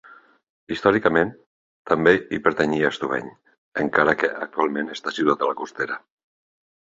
Històricament també hi pertanyia Estubeny encara que actualment està situat a la Costera.